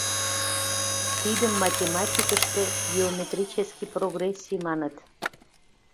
Тидым математикыште геометрический прогрессий маныт.